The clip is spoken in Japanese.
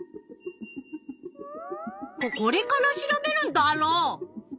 ここれから調べるんダロ！